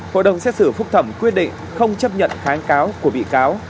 hội đồng xét xử phúc thẩm quyết định không chấp nhận kháng cáo của bị cáo